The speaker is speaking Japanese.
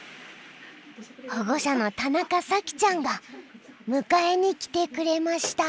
保護者の田中咲ちゃんが迎えに来てくれました。